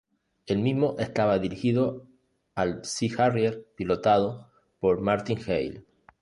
El mismo estaba dirigido al Sea Harrier pilotado por Martín Hale.